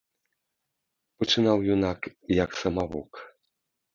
Пачынаў юнак як самавук.